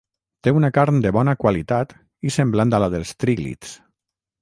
Té una carn de bona qualitat i semblant a la dels tríglids.